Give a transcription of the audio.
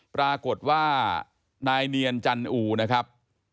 ปรากฏว่านายเนียนจันอูนะครับ